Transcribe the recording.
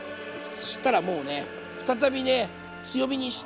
そしたらもうね再びね強火にして。